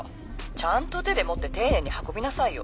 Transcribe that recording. ちゃんと手で持って丁寧に運びなさいよ。